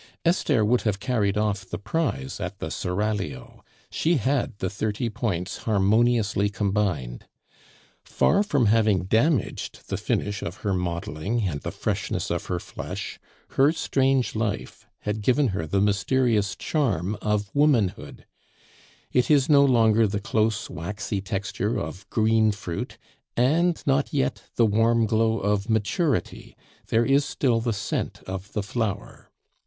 Esther would have carried off the prize at the Seraglio; she had the thirty points harmoniously combined. Far from having damaged the finish of her modeling and the freshness of her flesh, her strange life had given her the mysterious charm of womanhood; it is no longer the close, waxy texture of green fruit and not yet the warm glow of maturity; there is still the scent of the flower.